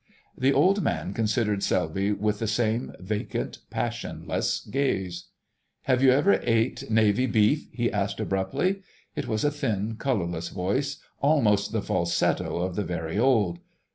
The old man considered Selby with the same vacant, passionless gaze. "Have you ever ate Navy beef?" he asked abruptly. It was a thin colourless voice, almost the falsetto of the very old.